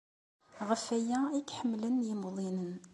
Ɣef waya ay k-ḥemmlen yimuḍinen.